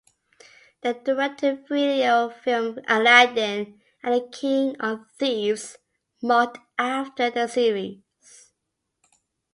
The direct-to-video film "Aladdin and the King of Thieves" marked after the series.